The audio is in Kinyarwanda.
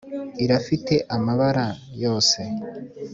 Irafite amabara yose